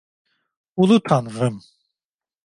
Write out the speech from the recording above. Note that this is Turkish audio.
Ulu Tanrım!